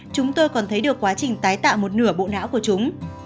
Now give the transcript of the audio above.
chúng tôi còn thấy được quá trình tái tạo một nửa bộ não của chúng